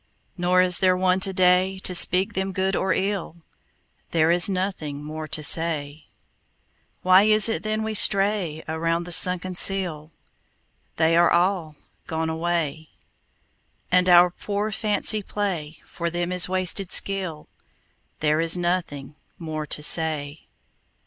Nor is there one today To speak them good or ill: There is nothing more to say. Why is it then we stray Around the sunken sill? They are all gone away. And our poor fancy play For them is wasted skill: There is nothing more to say.